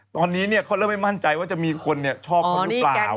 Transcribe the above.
ตอนนี้เขาเริ่มไม่มั่นใจว่าจะมีคนชอบเขาหรือเปล่า